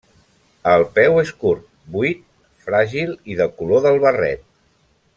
El peu és curt, buit, fràgil i de color del barret.